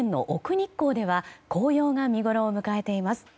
日光では紅葉が見ごろを迎えています。